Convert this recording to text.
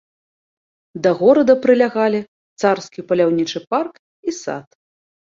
Да горада прылягалі царскі паляўнічы парк і сад.